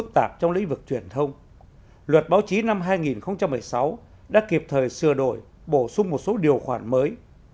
trong lĩnh vực truyền thông luật báo chí năm hai nghìn một mươi sáu đã kịp thời sửa đổi bổ sung một số điều khoản mới